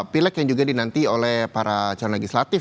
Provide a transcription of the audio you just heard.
pileg yang juga dinanti oleh para calon legislatif